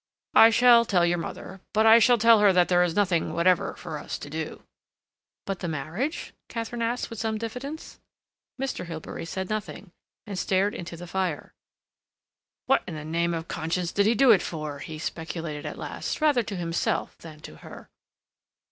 "I shall tell your mother. But I shall tell her that there is nothing whatever for us to do." "But the marriage?" Katharine asked, with some diffidence. Mr. Hilbery said nothing, and stared into the fire. "What in the name of conscience did he do it for?" he speculated at last, rather to himself than to her.